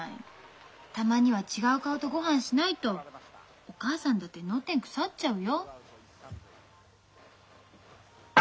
たまには違う顔とごはんしないとお母さんだって脳天腐っちゃうよ。